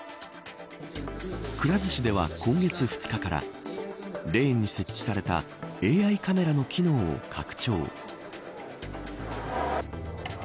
くら寿司では、今月２日からレーンに設置されたＡＩカメラの機能を拡張。